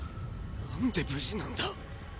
何で無事なんだ！